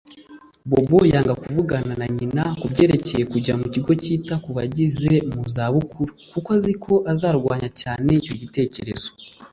Bobo yanga kuvugana na nyina kubyerekeye kujya mu kigo cyita ku bageze mu za bukuru kuko azi ko azarwanya cyane icyo gitekerezo